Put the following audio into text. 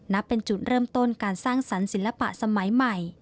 นับเป็นจุดเริ่มต้นการสร้างสรรค์ศิลปะสมัยใหม่